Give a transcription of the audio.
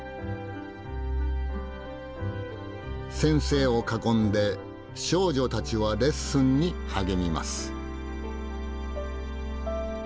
先生を囲んで少女たちはレッスンに励みます。